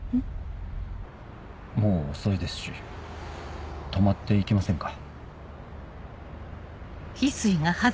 もう遅いですし泊まって行きませんか？